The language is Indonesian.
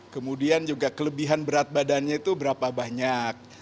kemudian juga kelebihan berat badannya itu berapa banyak